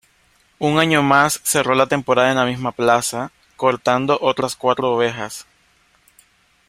Un año más, cerró la temporada en la misma plaza, cortando otras cuatro orejas.